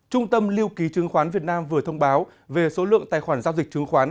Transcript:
trung tâm lưu ký chứng khoán việt nam vừa thông báo về số lượng tài khoản giao dịch chứng khoán